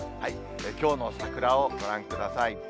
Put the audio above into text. きょうの桜をご覧ください。